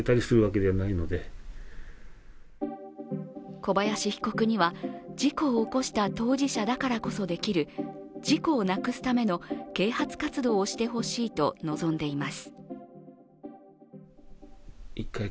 小林被告には、事故を起こした当事者だからこそできる事故をなくすための啓発活動をしてほしいと望んでいます。